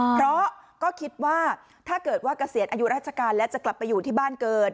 เพราะก็คิดว่าถ้าเกิดว่าเกษียณอายุราชการและจะกลับไปอยู่ที่บ้านเกิด